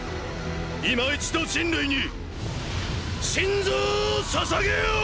今一度人類に心臓を捧げよ！！